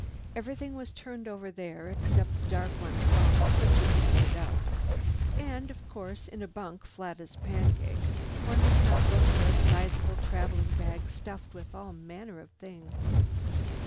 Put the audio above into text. Everything was turned over there except the dark one's bunk which had been made up. And of course in a bunk flat as a pancake one does not look for a sizable traveling bag stuffed with all manner of things.